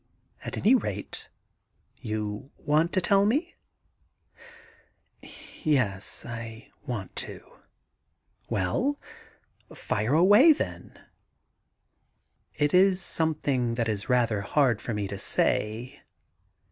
At any rate you want to tell me ?'* Yes, I want to.' * Well, j&re away then.' ' It is something that is rather hard for me to say.